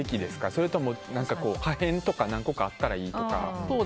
それとも破片とか何個かあったらいいとか？